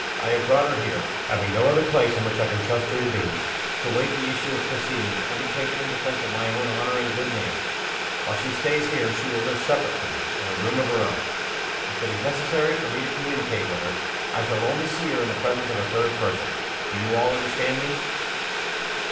I have brought her here having no other place in which I can trust her to be to wait the issue of proceedings, undertaken in defense of my own honor and good name. While she stays here, she will live separate from me, in a room of her own. If it is necessary for me to communicate with her, I shall only see her in the presence of a third person. Do you all understand me?"